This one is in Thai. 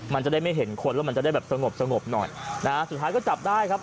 มันจะได้ไม่เห็นคนแล้วมันจะได้แบบสงบสงบหน่อยนะฮะสุดท้ายก็จับได้ครับ